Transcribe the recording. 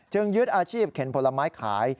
ยึดอาชีพเข็นผลไม้ขาย